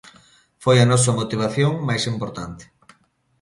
Foi a nosa motivación máis importante.